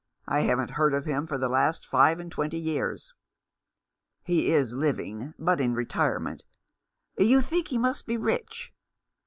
I haven't heard of him for the last five and twenty years." " He is living, but in retirement. You think he must be rich